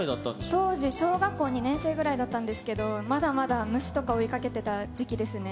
当時、小学校２年生ぐらいだったんですけれども、まだまだ虫とか追いかけてた時期ですね。